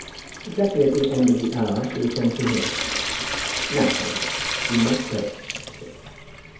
Exactly at the end of the hour she returned to him. "Now, Conway, you must go," she said.